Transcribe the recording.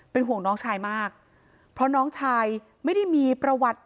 ห่วงน้องชายมากเพราะน้องชายไม่ได้มีประวัติ